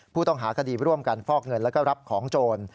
ผู้ต้องหาคดีร่วมกันฟอกเงินแล้วก็รับของโจร